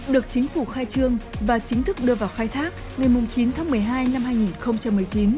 được chính phủ khai trương và chính thức đưa vào khai thác ngày chín tháng một mươi hai năm hai nghìn một mươi chín